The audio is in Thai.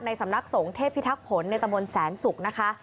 สำนักสงฆ์เทพิทักษ์ในตะมนต์แสนศุกร์นะคะ